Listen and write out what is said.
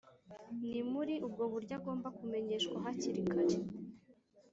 Ni muri ubwo buryo agomba kumenyeshwa hakiri kare